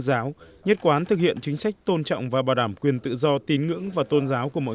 giáo nhất quán thực hiện chính sách tôn trọng và bảo đảm quyền tự do tín ngưỡng và tôn giáo của mỗi